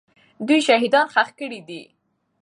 دوی شهیدان ښخ کړي دي.